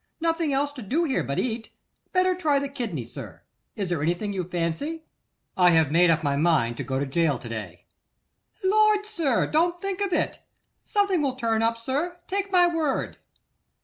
Nothing else to do here but to eat. Better try the kidney, sir. Is there anything you fancy?' 'I have made up my mind to go to gaol to day.' 'Lord! sir, don't think of it. Something will turn up, sir, take my word.